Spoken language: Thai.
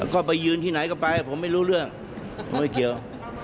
ก็ไปยืนที่ไหนก็ไปผมไม่รู้เรื่องไม่เกี่ยว